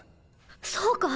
そうか！